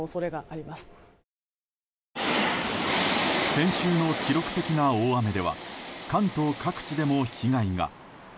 先週の記録的な大雨では関東各地でも被害が。